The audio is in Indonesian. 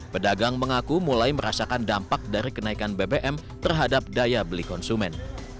pedagang mengaku mulai merasakan dampak dari kenaikan bbm terhadap daya beli konsumen